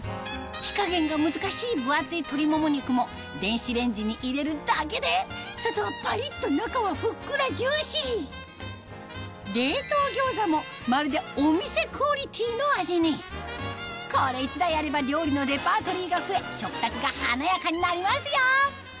火加減が難しい分厚い鶏もも肉も電子レンジに入れるだけで外はパリっと中はふっくらジューシー冷凍餃子もまるでお店クオリティーの味にこれ１台あれば料理のレパートリーが増え食卓が華やかになりますよ